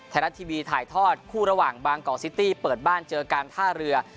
ไทยรัฐทีวีถ่ายทอดคู่ระหว่างบางกอกซิตี้เปิดบ้านเจอการท่าเรือ